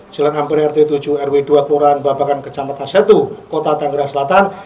jalan amper rt tujuh rw dua kuran babakan kecamatan setu kota tangerang selatan